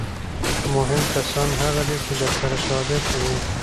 مهم کسان هغه دي چې درسره صادق وي.